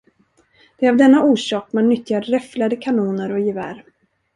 Det är av denna orsak man nyttjar räfflade kanoner och gevär.